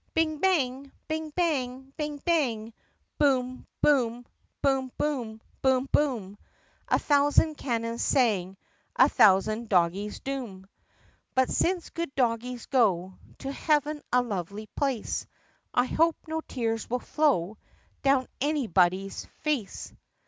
Bing! bang! bing! bang! bing! bang! Boom! boom! boom! boom! boom! boom! A thousand cannons sang A thousand doggies' doom ! (But since good doggies go To heaven, a lovely place, I hope no tears will flow Down anybody's face.